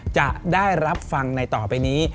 จะได้รับฟังในต่อไปนี้